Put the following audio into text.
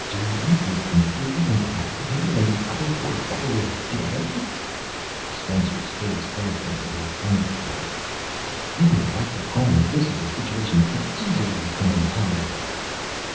"Dulaq is completely incapacitated and the other poor fellow is dead?" Spencer's face darkened into a thundercloud. "You were right to call me. This is a situation that could easily become intolerable."